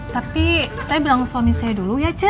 tapi saya bilang suami saya dulu ya cek